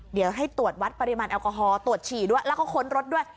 เดี๋ยวให้ตรวจวัดปริมาณแอลกอฮอล์ตรวจฉี่ด้วยแล้วก็ค้นรถด้วย